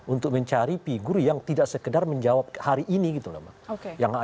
untuk mencari figur yang tidak sekedar menjawab hari ini gitu loh mbak